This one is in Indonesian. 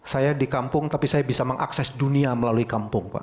saya di kampung tapi saya bisa mengakses dunia melalui kampung pak